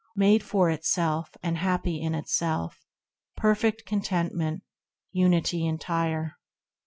Made for itself, and happy in itself, Perfect contentment, Unity entire.